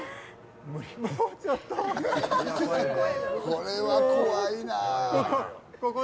これは怖いな。